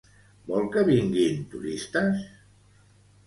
Vol que vinguin turistes?